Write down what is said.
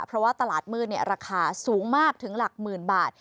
เพราะว่าตลาดมืดราคาสูงมากถึงหลักหมื่นบาท